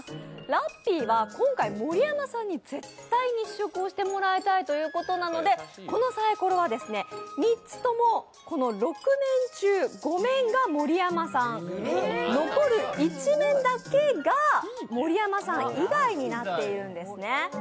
ラッピーは今回、盛山さんに絶対に試食をしてもらいたいということでこのさいころは３つとも６面中５面が盛山さん、残る１面だけが盛山さん以外になっているんですね。